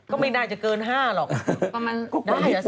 ก็ไม่ได้จะเกิน๕กิโลกรัมหรอก